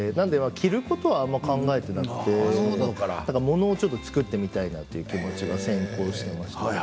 着ることはあまり考えていなくてものを作ってみたいなっていう気持ちが先行していました。